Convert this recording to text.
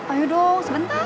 ayo dong sebentar